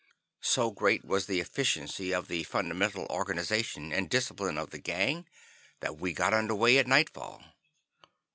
So great was the efficiency of the fundamental organization and discipline of the Gang, that we got under way at nightfall.